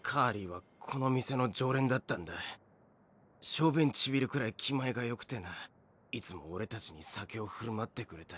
小便ちびるくらい気前がよくてないつも俺たちに酒を振る舞ってくれた。